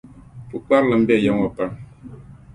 Pukparilim be ya ŋɔ pam.